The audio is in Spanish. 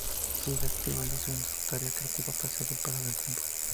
Sigue activo y lúcido en su tarea creativa a pesar del paso del tiempo.